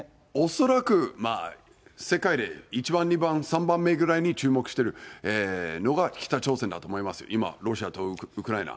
恐らく、世界で１番、２番、３番目ぐらいに注目しているのが北朝鮮だと思いますよ、今、ロシアとウクライナ。